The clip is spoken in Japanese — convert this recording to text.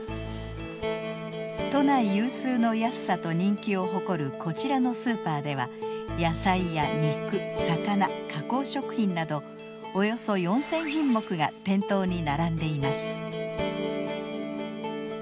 都内有数の安さと人気を誇るこちらのスーパーでは野菜や肉魚加工食品などおよそ４，０００品目が店頭に並んでいます。